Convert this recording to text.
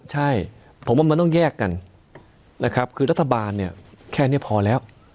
ใช่ผมว่ามันต้องแยกกันนะครับคือรัฐบาลเนี่ยแค่นี้พอแล้ว